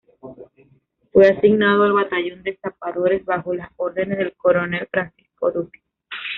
Fue asignado al batallón de zapadores bajo las órdenes del coronel Francisco Duque.